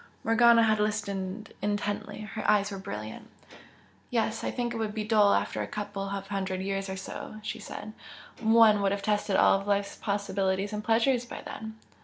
Morgana had listened intently, her eyes were brilliant. "Yes I think it would be dull after a couple of hundred years or so" she said "One would have tested all life's possibilities and pleasures by then."